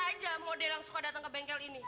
apa aja model yang suka datang ke bengkel ini